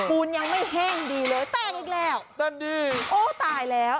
ปูนยังไม่แห้งดีเลยแตกอีกแล้วนั่นดิโอ้ตายแล้ว